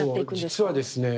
実はですね